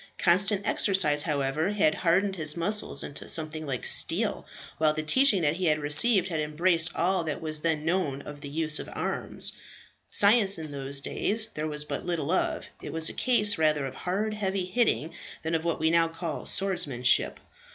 Constant exercise, however, had hardened his muscles into something like steel, while the teaching that he had received had embraced all that was then known of the use of arms. Science in those days there was but little of; it was a case rather of hard, heavy hitting, than of what we now call swordsmanship.